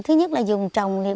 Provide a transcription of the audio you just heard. thứ nhất là dùng trồng